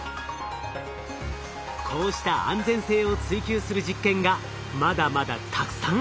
こうした安全性を追求する実験がまだまだたくさんあるんです。